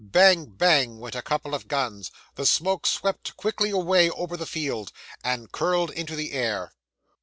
Bang, bang, went a couple of guns the smoke swept quickly away over the field, and curled into the air.